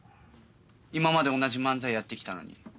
今まで同じ漫才やってきたのに。